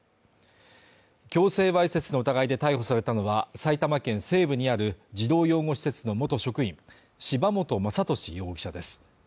強制わいせつの疑いで逮捕されたのは、埼玉県西部にある児童養護施設の元職員柴本雅俊容疑者です。